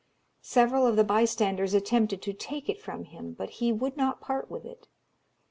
Several of the bystanders attempted to take it from him, but he would not part with it.